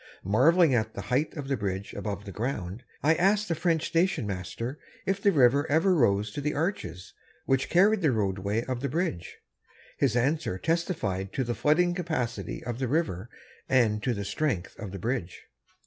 Marveling at the height of the bridge above the ground, I asked the French station master if the river ever rose to the arches which carried the roadway of the bridge. His answer testified to the flooding capacity of the river and to the strength of the bridge.